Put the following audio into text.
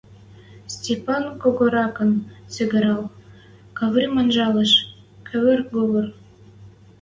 — Стапан, когоракын сӹгӹрӓл, Кӓврим анжалеш: —...кывыр-говыр!..